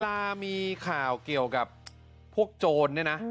เวลามีข่าวเกี่ยวกับพวกโจรเนี่ยนะ